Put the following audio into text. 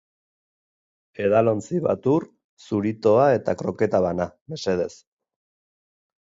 Edalontzi bat ur, zuritoa eta kroketa bana, mesedez.